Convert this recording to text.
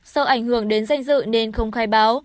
do ảnh hưởng đến danh dự nên không khai báo